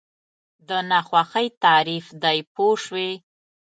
د ناخوښۍ تعریف دی پوه شوې!.